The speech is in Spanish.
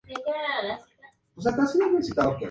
Existen nueve senderos dentro del parque.